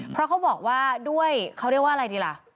เพราะเขาบอกว่าด้วยเขาเรียกว่าอะไรดีล่ะ